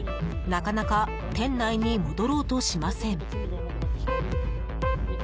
なかなか店内に戻ろうとしません。